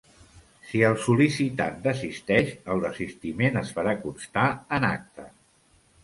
Si el sol·licitant desisteix, el desistiment es farà constar en acta.